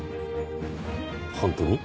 本当に？